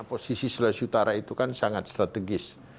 posisi sulawesi utara itu kan sangat strategis